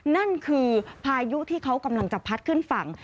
นั่นคือพายุที่เขากำลังจะพัดขึ้นฝั่ง